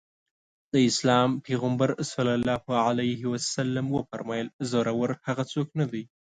د اسلام پيغمبر ص وفرمايل زورور هغه څوک نه دی.